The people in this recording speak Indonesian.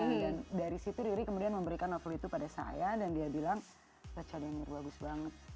dan dari situ riri kemudian memberikan novel itu pada saya dan dia bilang baca denger bagus banget